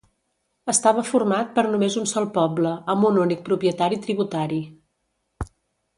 Estava format per només un sol poble amb un únic propietari tributari.